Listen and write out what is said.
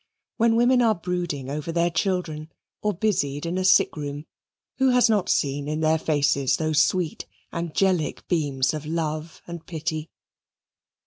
When women are brooding over their children, or busied in a sick room, who has not seen in their faces those sweet angelic beams of love and pity?